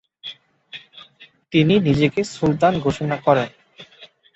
তিনি নিজেকে সুলতান ঘোষণা করেন।